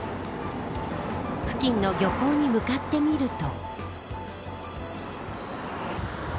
付近の漁港に向かってみると。